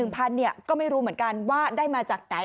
พันเนี่ยก็ไม่รู้เหมือนกันว่าได้มาจากไหน